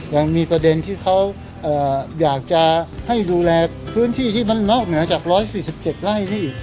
ยังมีประเด็นที่เขาอยากจะให้ดูแลพื้นที่ที่มันนอกเหนือจาก๑๔๗ไร่ที่